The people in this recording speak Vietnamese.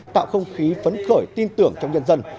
tạo không khí phấn khởi tin tưởng trong nhân dân